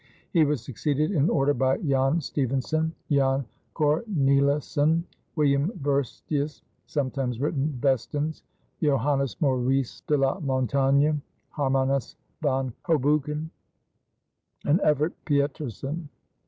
He was succeeded in order by Jan Stevensen, Jan Cornelissen, William Verstius, sometimes written Vestens, Johannes Morice de la Montagne, Harmanus Van Hoboocken, and Evert Pietersen.